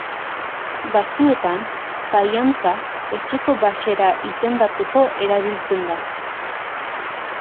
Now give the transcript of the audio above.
Batzuetan, faiantza etxeko baxera izendatzeko erabiltzen da